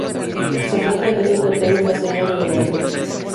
Se trata del único tema en castellano del álbum.